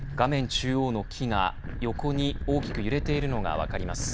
中央の木が横に大きく揺れているのが分かります。